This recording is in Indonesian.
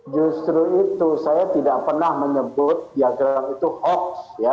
justru itu saya tidak pernah menyebut diagram itu hoax